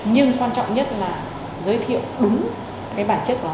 nhưng quan trọng nhất là giới thiệu đúng cái bản chất đó